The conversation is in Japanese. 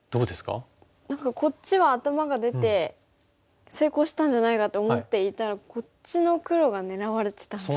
何かこっちは頭が出て成功したんじゃないかと思っていたらこっちの黒が狙われてたんですね。